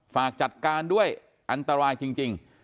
ฝากจัดการด้วยอันตรายจริง